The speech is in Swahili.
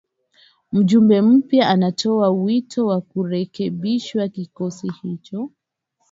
Mjumbe mpya anatoa wito wa kurekebishwa kikosi hicho